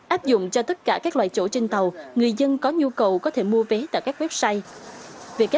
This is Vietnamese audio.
áp dụng cho tất cả các loại chỗ trên tàu người dân có nhu cầu có thể mua vé tại các website